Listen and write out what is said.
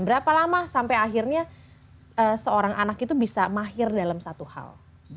berapa lama sampai akhirnya seorang anak itu bisa mahir dalam satu hal